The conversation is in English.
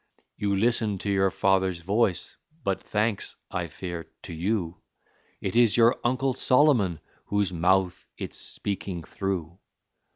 You listen to your father's voice, but thanks, I fear, to you, It is your uncle Solomon whose mouth it's speaking through!